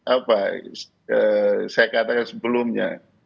apa saya katakan sebelumnya